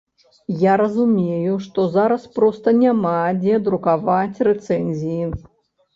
Я разумею, што зараз проста няма дзе друкаваць рэцэнзіі.